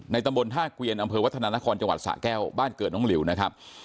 ตำบลท่าเกวียนอำเภอวัฒนานครจังหวัดสะแก้วบ้านเกิดน้องหลิวนะครับ